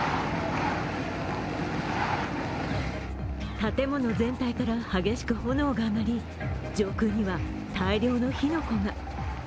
建物全体から激しく炎が上がり上空には大量の火の粉が。